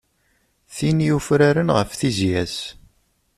Tin yufraren ɣef tizya-s.